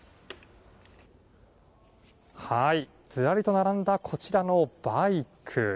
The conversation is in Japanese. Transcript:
ずらりと並んだこちらのバイク。